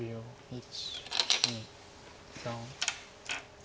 １２３。